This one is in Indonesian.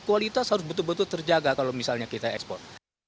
kualitas harus betul betul terjaga kalau misalnya kita ekspor